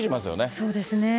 そうですね。